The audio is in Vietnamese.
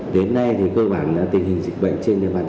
đến nay thì cơ bản là tình hình dịch bệnh trên địa bàn